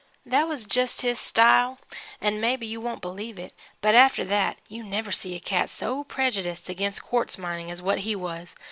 "That was jest his style. An' maybe you won't believe it, but after that you never see a cat so prejudiced agin quartz mining as what he was.